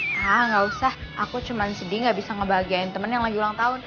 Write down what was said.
wah gak usah aku cuma sedih gak bisa ngebahagiain temen yang lagi ulang tahun